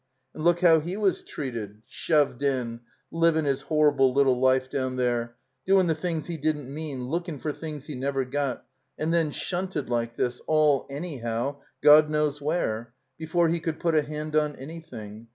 And look how he was treated — shoved in — ^livin' his horrible little life down there — doin' the things he didn't mean — ^lookin' for things he never got — and then shunted like this, all anyhow, God knows where — ^before he could put a hand on anything.